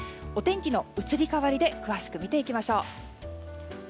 お天気の移り変わりで詳しく見ていきましょう。